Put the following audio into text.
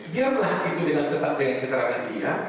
diamlah itu dengan tetap dengan keterangan dia